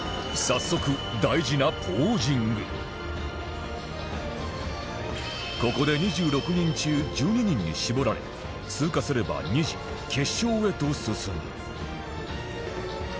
早速ここで２６人中１２人に絞られ通過すれば２次決勝へと進む